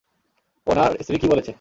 ওনার স্ত্রী কী বলেছে?